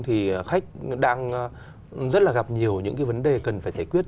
thì khách đang rất là gặp nhiều những cái vấn đề cần phải giải quyết